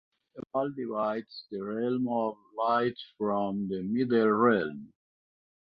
A wall divides the realm of light from the middle realm.